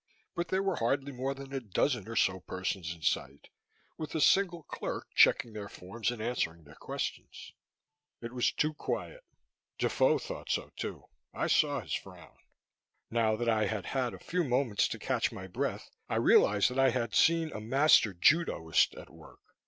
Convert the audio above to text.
But there were hardly more than a dozen or so persons in sight, with a single clerk checking their forms and answering their questions. It was too quiet. Defoe thought so, too; I saw his frown. Now that I had had a few moments to catch my breath, I realized that I had seen a master judoist at work.